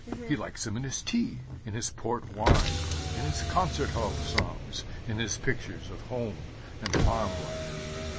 He likes them in his tea, in his port wine, in his concert hall songs, in his pictures of home and farm life.